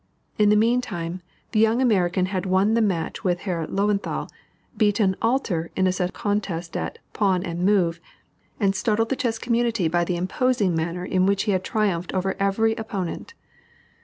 In the mean time, the young American had won the match with Herr Löwenthal, beaten "Alter" in a set contest at "pawn and move," and startled the chess community by the imposing manner in which he had triumphed over every opponent.